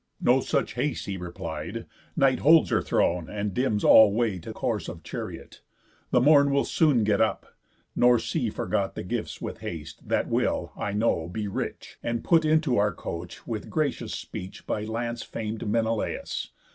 "No such haste," he replied, "Night holds her throne, And dims all way to course of chariot. The morn will soon get up. Nor see forgot The gifts with haste, that will, I know, be rich, And put into our coach with gracious speech By lance fam'd Menelaus.